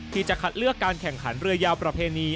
ที่จะคัดเลือกการแข่งขันเรือยาวประเพณี